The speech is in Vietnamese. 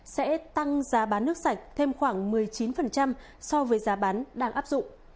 sẽ tăng giá bán nước sạch thêm khoảng một mươi chín so với giá bán đang áp dụng